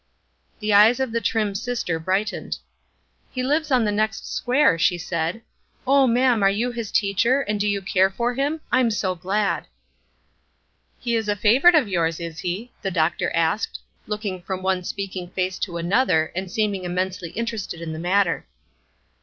The eyes of the trim sister brightened. "He lives on the next square," she said. "Oh, ma'am, are you his teacher, and do you care for him? I'm so glad." "He is a favorite of yours, is he?" the doctor asked, looking from one speaking face to another, and seeming immensely interested in the matter.